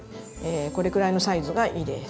これくらいのサイズがいいです。